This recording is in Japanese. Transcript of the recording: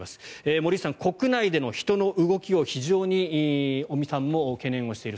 森内さん、国内での人の動きを非常に尾身さんも懸念されている。